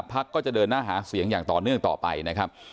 พักก็จะเดินหน้าหาเสียงอย่างต่อเนื่องต่อไปนะครับ